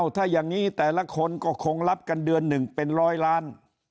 ถ้าอย่างนี้แต่ละคนก็คงรับกันเดือนหนึ่งเป็นร้อยล้าน